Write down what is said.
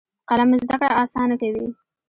قلم زده کړه اسانه کوي.